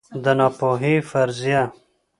د ناپوهۍ فرضیه